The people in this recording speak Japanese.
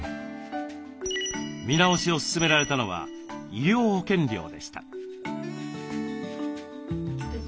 見直しを勧められたのは医療保険料でした。